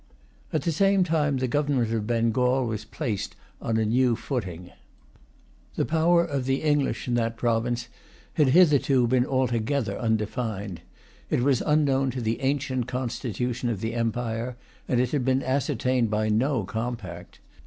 At the same time, the Government of Bengal was placed on a new footing. The power of the English in that province had hitherto been altogether undefined. It was unknown to the ancient constitution of the empire, and it had been ascertained by no compact.